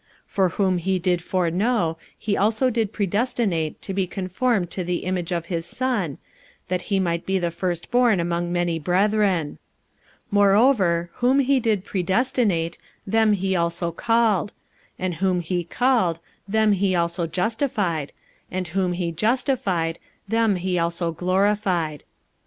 45:008:029 For whom he did foreknow, he also did predestinate to be conformed to the image of his Son, that he might be the firstborn among many brethren. 45:008:030 Moreover whom he did predestinate, them he also called: and whom he called, them he also justified: and whom he justified, them he also glorified.